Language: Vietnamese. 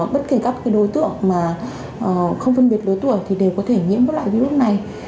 bất kể các đối tượng mà không phân biệt đối tuổi thì đều có thể nhiễm bất lại virus này